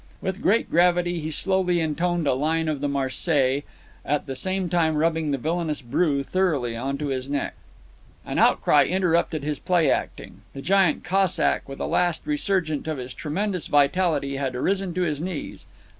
With great gravity he slowly intoned a line of the "Marseillaise," at the same time rubbing the villainous brew thoroughly into his neck. An outcry interrupted his play acting. The giant Cossack, with a last resurgence of his tremendous vitality, had arisen to his knees.